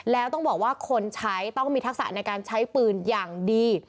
แล้วต้องบอกว่าคนใช้ต้องมีทักษะในการใช้ปืนอย่างดี